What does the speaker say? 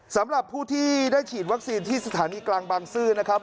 สำหรับผู้ที่ได้ฉีดวัคซีนที่สถานีกลางบางซื่อนะครับ